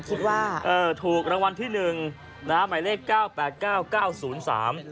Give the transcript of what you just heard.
ว่าเออถูกรางวัลที่หนึ่งนะฮะหมายเลขเก้าแปดเก้าเก้าศูนย์สาม